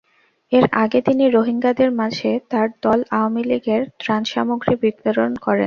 এর আগে তিনি রোহিঙ্গাদের মাঝে তাঁর দল আওয়ামী লীগের ত্রাণসামগ্রী বিতরণ করেন।